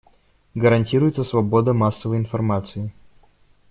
Гарантируется свобода массовой информации.